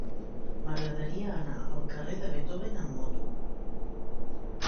M'agradaria anar al carrer de Beethoven amb moto.